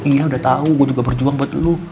iya udah tau gue juga berjuang buat lo